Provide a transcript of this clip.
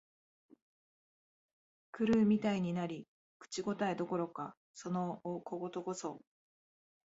狂うみたいになり、口応えどころか、そのお小言こそ、